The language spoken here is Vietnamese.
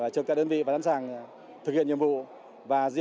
cho các đơn vị và đám sàng thực hiện nhiệm vụ